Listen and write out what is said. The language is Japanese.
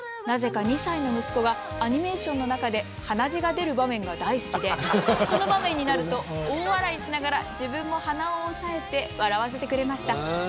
「なぜか２歳の息子がアニメーションの中で鼻血が出る場面が大好きでその場面になると大笑いしながら自分も鼻を押さえて笑わせてくれました！